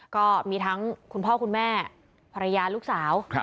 ก็มีทั้งคุณพ่อคุณแม่ภรรยาลูกสาว